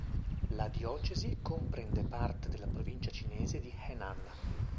La diocesi comprende parte della provincia cinese di Henan.